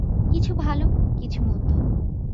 কিছু ভালো, কিছু মন্দ।